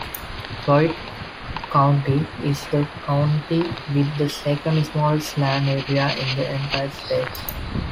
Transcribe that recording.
Floyd County is the county with the second-smallest land area in the entire state.